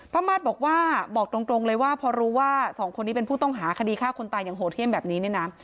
มาสบอกว่าบอกตรงเลยว่าพอรู้ว่าสองคนนี้เป็นผู้ต้องหาคดีฆ่าคนตายอย่างโหดเยี่ยมแบบนี้เนี่ยนะ